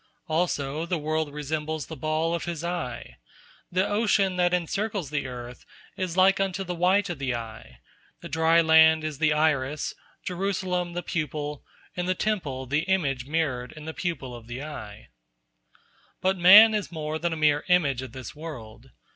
Also, the world resembles the ball of his eye: the ocean that encircles the earth is like unto the white of the eye, the dry land is the iris, Jerusalem the pupil, and the Temple the image mirrored in the pupil of the eye. But man is more than a mere image of this world.